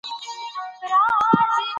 سیاسي واک د قانون چوکاټ غواړي